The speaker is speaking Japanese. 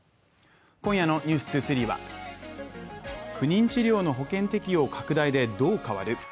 今夜の「ｎｅｗｓ２３」は不妊治療の保険適用拡大でどう変わる？